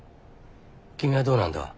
君はどうなんだ？